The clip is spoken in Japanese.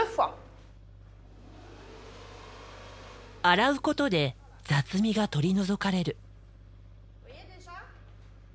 洗うことで雑味が取り除かれる。